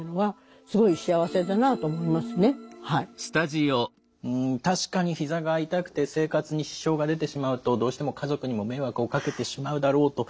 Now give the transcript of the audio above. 自分が確かにひざが痛くて生活に支障が出てしまうとどうしても家族にも迷惑をかけてしまうだろうと。